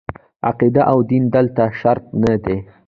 عقیده او دین دلته شرط نه دي.